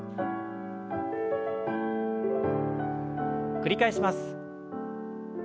繰り返します。